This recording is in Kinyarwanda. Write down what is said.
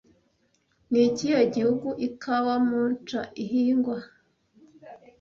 Ni ikihe gihugu ikawa 'Mocha' ihingwa